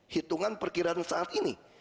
hitungan perkiraan saat ini